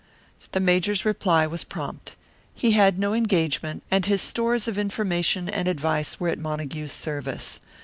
The Major's reply was prompt. He had no engagement, and his stores of information and advice were at Montague's service.